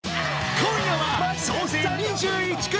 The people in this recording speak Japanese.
今夜は総勢２１組！